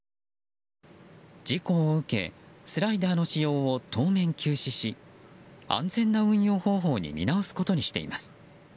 事故を受け、スライダーの使用を当面休止し安全な運用方法に見直すことにしています。